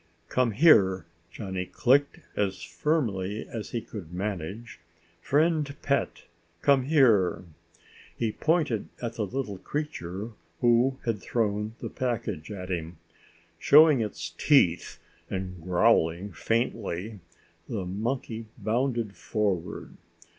"Come here," Johnny clicked, as firmly as he could manage. "Friend pet, come here." He pointed at the little creature who had thrown the package at him. Showing its teeth and growling faintly, the monkey bounded forward.